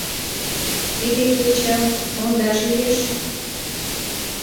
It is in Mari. Тудо кечым мондаш лиеш мо?